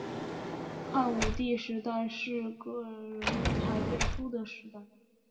汉武帝时代是个人才辈出的时代。